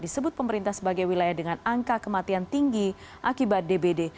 disebut pemerintah sebagai wilayah dengan angka kematian tinggi akibat dbd